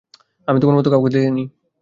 আমি তোমার মত কাউকে আগে দেখিনি।